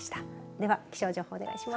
では気象情報お願いします。